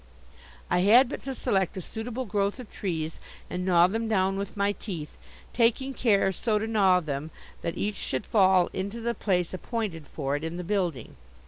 I had but to select a suitable growth of trees and gnaw them down with my teeth, taking care so to gnaw them that each should fall into the place appointed for it in the building.